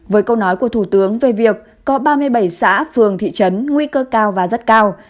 với câu nói của thủ tướng về việc có ba mươi bảy xã phường thị trấn nguy cơ cao và rất cao